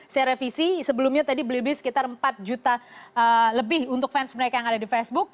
saya revisi sebelumnya tadi beli beli sekitar empat juta lebih untuk fans mereka yang ada di facebook